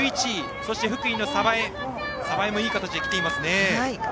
そして福井の鯖江もいい形で来ていますね。